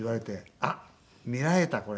あっ見られたこれ。